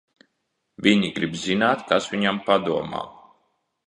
Viņi grib zināt, kas viņam padomā.